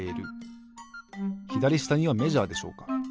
ひだりしたにはメジャーでしょうか？